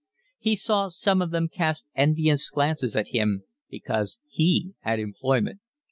He saw some of them cast envious glances at him because he had employment.